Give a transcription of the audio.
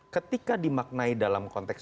ketika dimaknai dalam konteks